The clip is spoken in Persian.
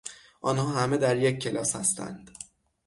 آنها همه در یک کلاس هستند.